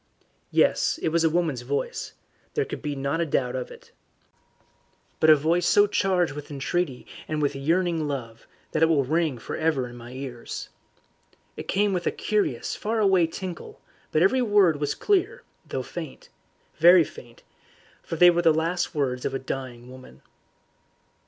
Yes, it was a woman's voice; there could not be a doubt of it. But a voice so charged with entreaty and with yearning love, that it will ring for ever in my ears. It came with a curious faraway tinkle, but every word was clear, though faint very faint, for they were the last words of a dying woman.